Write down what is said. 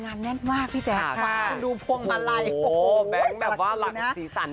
แน่นมากพี่แจ๊คคุณดูพวงมาลัยโอ้โหแบงค์แบบว่าหลังสีสัน